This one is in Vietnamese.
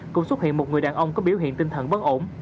cũng xuất hiện một người đàn ông có biểu hiện tinh thần bất ổn